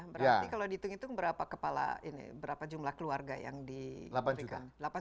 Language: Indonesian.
berarti kalau dihitung hitung berapa jumlah keluarga yang diberikan